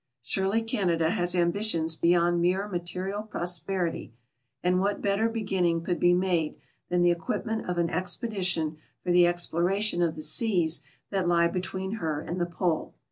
Surely Canada has ambitions beyond mere material prosperity; and what better beginning could be made than the equipment of an expedition for the exploration of the seas that lie between her and the Pole